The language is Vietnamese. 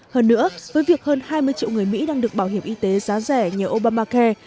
hơn nữa với việc hơn hai mươi triệu người mỹ đang được bảo hiểm y tế giá rẻ nhờ obamacare